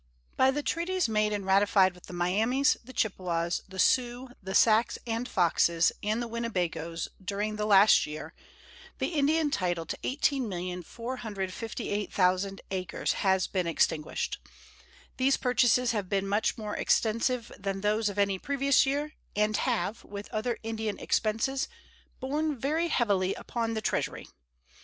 By the treaties made and ratified with the Miamies, the Chippewas, the Sioux, the Sacs and Foxes, and the Winnebagoes during the last year the Indian title to 18,458,000 acres has been extinguished. These purchases have been much more extensive than those of any previous year, and have, with other Indian expenses, borne very heavily upon the Treasury.